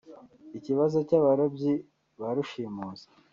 Ikibazo cy’abarobyi ba rushimusi